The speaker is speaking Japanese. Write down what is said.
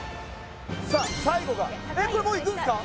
さあ最後がえっこれもういくんですか？